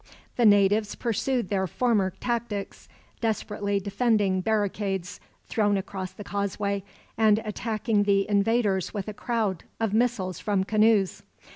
The natives pursued their former tactics, desperately defending barricades thrown across the causeway, and attacking the invaders with a crowd of missiles from canoes.